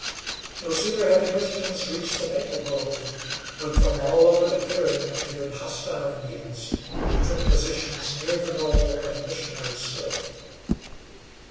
No sooner had the Christians reached the maple grove, when from all over the clearing appeared hostile Indians, who took positions near the knoll where the missionaries stood.